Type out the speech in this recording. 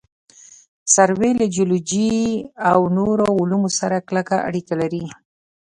سروې له جیولوجي او نورو علومو سره کلکه اړیکه لري